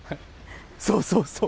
そうそうそう。